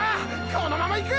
このままいく！！